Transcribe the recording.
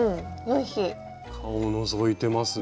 顔のぞいてますね。